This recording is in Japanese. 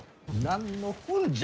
何の本じゃ？